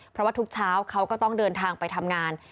เพราะว่าทุกเช้าเขาก็ต้องเดินทางไปทำงาน